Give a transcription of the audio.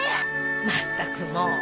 まったくもう。